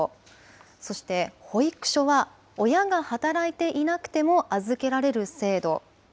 そして、保育所は、親が働いていなくても預けられる制度。